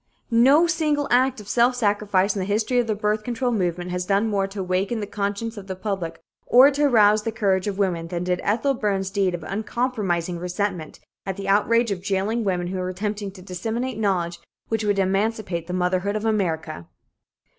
No single act of self sacrifice in the history of the birth control movement has done more to awaken the conscience of the public or to arouse the courage of women, than did Ethel Byrne's deed of uncompromising resentment at the outrage of jailing women who were attempting to disseminate knowledge which would emancipate the motherhood of America.